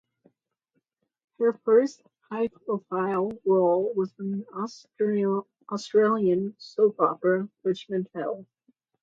Her first high-profile role was in Australian soap opera "Richmond Hill".